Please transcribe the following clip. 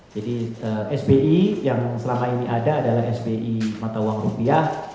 jadi sbi yang selama ini ada adalah sbi mata uang rupiah